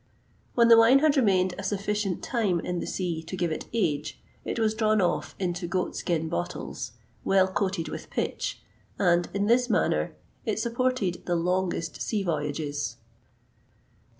When the wine had remained a sufficient time in the sea to give it age, it was drawn off into goatskin bottles, well coated with pitch, and, in this manner it supported the longest sea voyages.